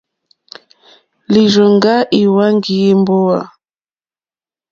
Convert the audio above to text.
Lírzòŋgá líhwánjì èmbówà.